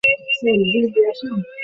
কারণ ওটা আমাদের ভূমি।